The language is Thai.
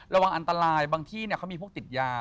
ระวังอันตรายบางที่เขามีพวกติดยา